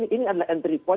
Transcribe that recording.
ini adalah entry point